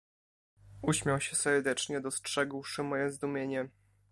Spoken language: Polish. "Uśmiał się serdecznie, dostrzegłszy moje zdumienie."